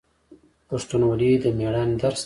پښتونولي د میړانې درس دی.